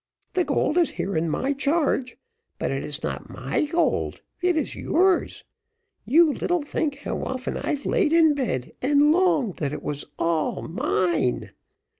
The gold is here in my charge, but it is not my gold it is yours. You little think how often I've laid in bed and longed that it was all mine.